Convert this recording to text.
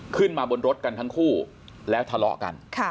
ขึ้นมาบนรถกันทั้งคู่แล้วทะเลาะกัน